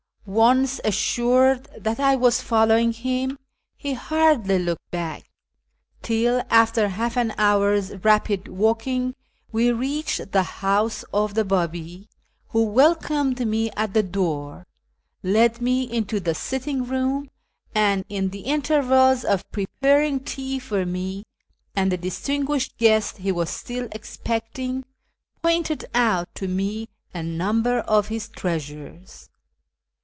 Once assured that I was folloM'ing him, he hardly looked back, till, after half an hour's rapid M'alking, we reached the house of the Babi, M'ho welcomed me at the door, led me into the sitting room, and, in the intervals of preparing tea for me and the distinguished guest he was still expecting, pointed out to me a number of his treasures.